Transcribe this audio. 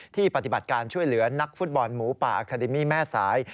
ปฏิบัติการช่วยเหลือนักฟุตบอลหมูป่าอาคาเดมี่แม่สาย